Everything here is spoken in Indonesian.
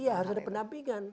iya harus ada pendampingan